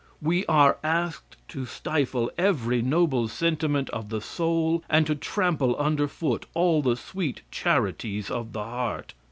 We are asked to stifle every noble sentiment of the soul, and to trample under foot all the sweet charities of the heart.